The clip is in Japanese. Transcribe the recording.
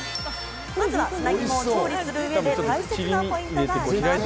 まずは砂肝を調理する上で大切なポイントがあります。